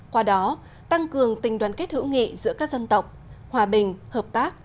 qua đó tăng cường tình đoàn kết hữu nghị giữa các dân tộc hòa bình hợp tác